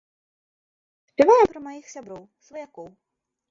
Спяваем пра маіх сяброў, сваякоў.